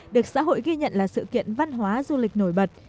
được xã hội ghi nhận là sự kiện văn hóa du lịch nổi bật